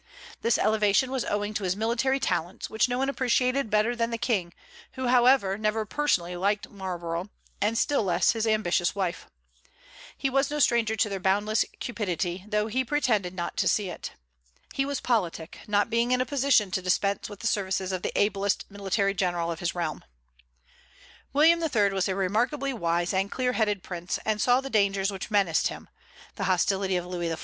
This elevation was owing to his military talents, which no one appreciated better than the King, who however never personally liked Marlborough, and still less his ambitious wife. He was no stranger to their boundless cupidity, though he pretended not to see it. He was politic, not being in a position to dispense with the services of the ablest military general of his realm. William III. was a remarkably wise and clearheaded prince, and saw the dangers which menaced him, the hostility of Louis XIV.